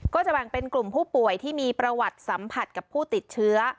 ก็จะแบ่งเป็นกลุ่มผู้ป่วยที่มีประวัติสัมผัสกับผู้ติดเชื้อ